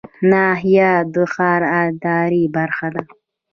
ناحیه د ښار اداري برخه ده